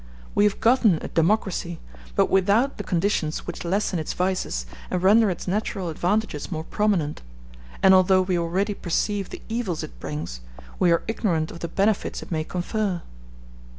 We have gotten a democracy, but without the conditions which lessen its vices and render its natural advantages more prominent; and although we already perceive the evils it brings, we are ignorant of the benefits it may confer.